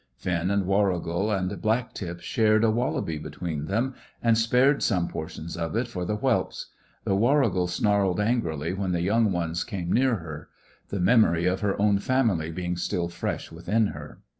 Finn and Warrigal and Black tip shared a wallaby between them, and spared some portions of it for the whelps; though Warrigal snarled angrily when the young things came near her; the memory of her own family being still fresh within her.